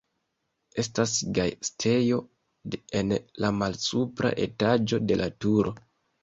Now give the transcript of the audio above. Estas gastejo en la malsupra etaĝo de la turo.